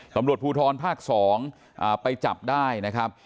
ตำรวจภูทรภาค๒ไปจับได้นะครับ